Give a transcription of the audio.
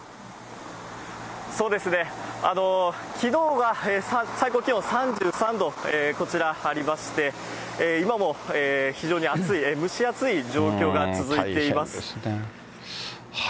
そうですね、きのうが最高気温３３度、こちらありまして、今も非常に暑い、蒸し暑い状況が続いています。